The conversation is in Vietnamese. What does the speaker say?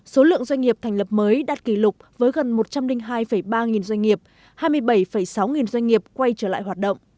số lượng doanh nghiệp thành lập mới đạt kỷ lục với gần một trăm linh hai ba nghìn doanh nghiệp hai mươi bảy sáu nghìn doanh nghiệp quay trở lại hoạt động